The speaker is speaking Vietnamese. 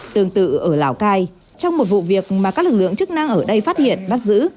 tương tự ở lào cai trong một vụ việc mà các lực lượng chức năng ở đây phát hiện bắt giữ